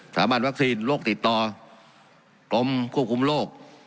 บันวัคซีนโรคติดต่อกรมควบคุมโรค